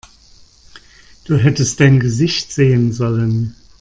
Du hättest dein Gesicht sehen sollen!